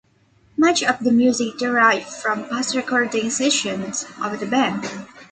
Much of the music derived from past recording sessions of the band.